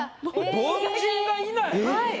凡人がいない。